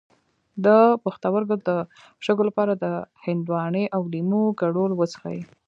د پښتورګو د شګو لپاره د هندواڼې او لیمو ګډول وڅښئ